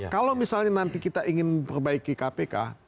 kalau misalnya nanti kita ingin memperbaiki kpk